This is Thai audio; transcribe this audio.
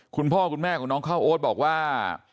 คุณพ่อคุณแม่ของน้องข้าวโอ๊ตบอกว่า